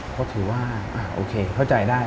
เพราะถือว่าโอเคเข้าใจได้